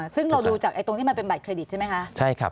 ซึ่งเราดูจากตรงที่มันเป็นบัตรเครดิตใช่ไหมคะ